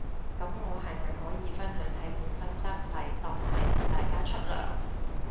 噉我係咪可以分享睇片心得嚟當係同大家出糧